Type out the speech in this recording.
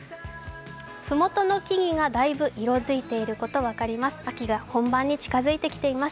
ふもとの木々が大分色づいていることが分かります。